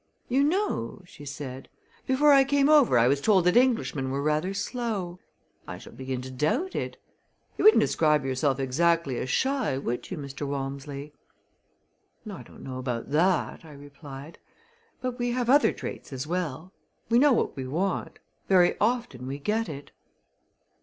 "You know," she said, "before I came over I was told that Englishmen were rather slow. I shall begin to doubt it. You wouldn't describe yourself exactly as shy, would you, Mr. Walmsley?" "I don't know about that," I replied; "but we have other traits as well. We know what we want; very often we get it."